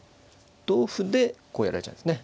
同歩でこうやられちゃうんですね。